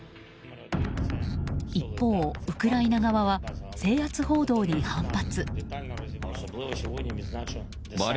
一方、ウクライナ側は制圧報道に反発。